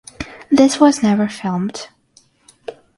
This was never filmed.